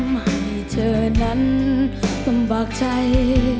ไม่ให้เธอนั้นลำบากใจ